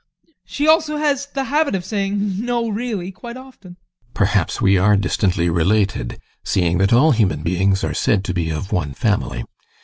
She also has the habit of saying "no, really" quite often. GUSTAV. Perhaps we are distantly related, seeing that all human beings are said to be of one family.